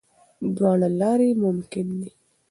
دواړه لارې ممکن دي.